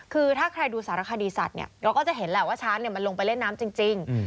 คือถ้าใครดูสารคดีสัตว์เนี่ยเราก็จะเห็นแหละว่าช้างมันลงไปเล่นน้ำจริง